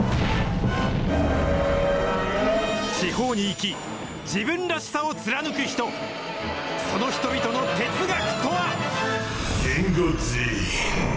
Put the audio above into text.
地方に生き、自分らしさを貫く人、その人々の哲学とは。